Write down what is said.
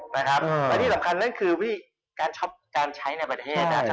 แล้วก็ที่สำคัญก็คือการใช้ในประเทศ